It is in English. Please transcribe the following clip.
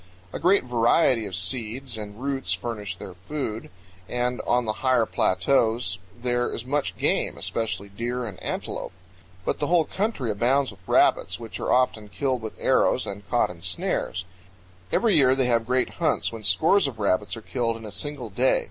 A great variety of seeds and roots furnish their food, and on the higher plateaus there is much game, especially deer and antelope. But the whole country abounds with rabbits, which are often killed with arrows and CLIFFS AND TERRACES. 105 caught in snares. Every year they have great hunts, when scores of rabbits are killed in a single day.